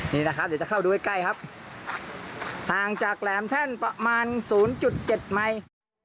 นี่นะครับเดี๋ยวจะเข้าดูให้ใกล้ครับห่างจากแหลมแท่นประมาณศูนย์จุดเจ็ดใหม่